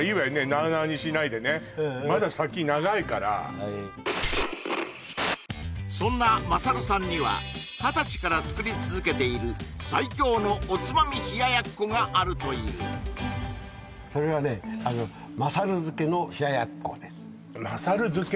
なあなあにしないでねまだ先長いからはいそんなまさるさんには二十歳から作り続けている最強のおつまみ冷奴があるというそれはねまさる漬けの冷奴ですまさる漬け？